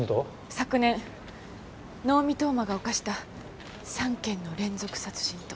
昨年能見冬馬が犯した３件の連続殺人と。